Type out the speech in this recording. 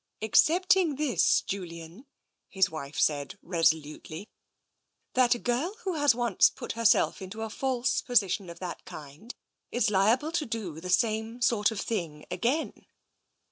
" Excepting this, Julian," his wife said resolutely, " that a girl who has once put herself into a false posi tion of that kind is liable to do the same sort of thing again."